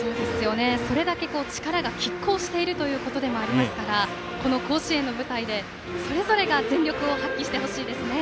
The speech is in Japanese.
それだけ力がきっ抗しているということでもありますからこの甲子園の舞台で、それぞれが全力を発揮してほしいですね。